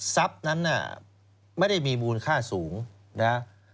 ทราบนั้นไม่ได้มีมูลค่าสูงนะ